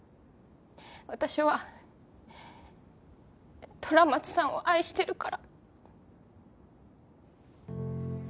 私は虎松さんを愛してるから。